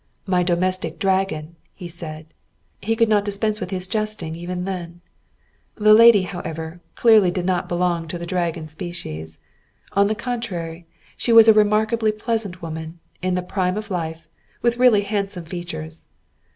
"My domestic dragon," he said; he could not dispense with his jesting even then. The lady, however, clearly did not belong to the dragon species. On the contrary, she was a remarkably pleasant woman, in the prime of life, with really handsome features.